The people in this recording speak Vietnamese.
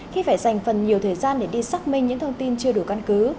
khi phải dành phần nhiều thời gian để đi xác minh những thông tin chưa đủ căn cứ